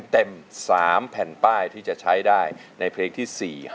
เต็ม๓แผ่นป้ายที่จะใช้ได้ในเพลงที่๔๕